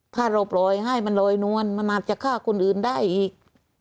ถ้าเราปล่อยให้มันลอยนวลมันอาจจะฆ่าคนอื่นได้อีก